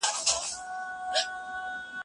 زه ليکلي پاڼي نه ترتيب کوم!؟